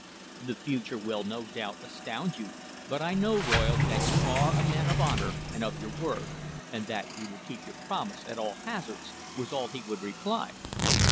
"The future will, no doubt, astound you, but I know, Royle, that you are a man of honour and of your word, and that you will keep your promise at all hazards," was all he would reply.